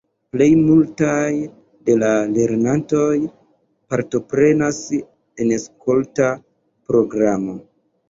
Plej multaj de la lernantoj partoprenas en skolta programo.